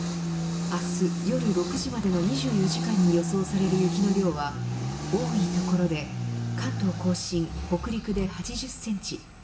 明日夜６時までの２４時間に予想される雪の量は多い所で関東甲信、北陸で８０センチ